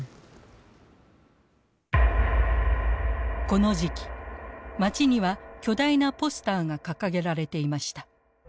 この時期街には巨大なポスターが掲げられていました。